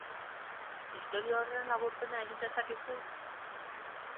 Istorio horren laburpena egin dezakezu?